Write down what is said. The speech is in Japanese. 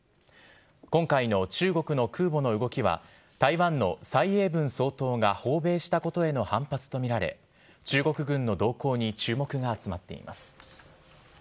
今回の中国の空母の動きは台湾の蔡英文総統が訪米したことへの反発とみられ中国軍の動向に注目が集まっています。